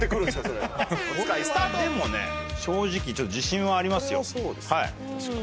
これはでもね正直自信はありますよ。